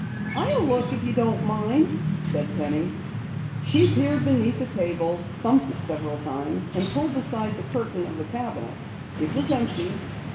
"I'll look, if you don't mind," said Penny. She peered beneath the table, thumped it several times, and pulled aside the curtain of the cabinet. It was empty.